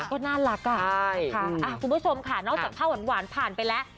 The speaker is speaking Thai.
ก็น่ารักอ่ะใช่นะคะคุณผู้ชมค่ะนอกจากภาพหวานผ่านไปแล้ว